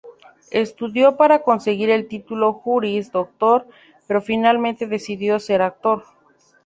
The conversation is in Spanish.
Estudió para conseguir el título Juris Doctor, pero finalmente decidió ser actor.